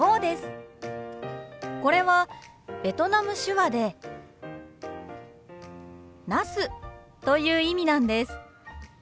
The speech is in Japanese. これはベトナム手話でナスという意味なんです。